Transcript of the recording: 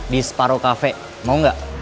di separuh cafe mau gak